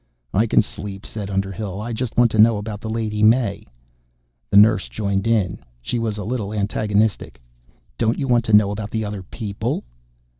"I can sleep," said Underhill. "I just want to know about the Lady May." The nurse joined in. She was a little antagonistic. "Don't you want to know about the other people?"